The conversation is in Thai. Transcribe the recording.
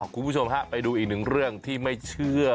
ขอบคุณผู้ชมครับไปดูอีกหนึ่งเรื่องที่ไม่เชื่อจริงเลยว่ามันจะเกิดขึ้นจริง